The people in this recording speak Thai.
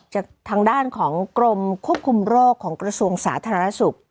จากทางด้านของกรมควบคุมโรคของกระทรวงสาธารณสุข